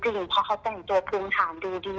เพราะเขาแต่งโจทย์พื้นถามดูดี